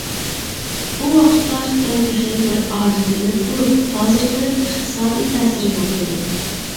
ئۇ ۋاقىتتا خىتاي تېخى بىر ئاجىز دۆلەت بولۇپ، ھازىرقىدەك ئىقتىسادى تەسىرى يوق ئىدى .